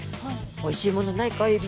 「おいしいものないかエビ？」。